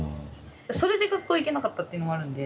それで学校行けなかったっていうのもあるんで。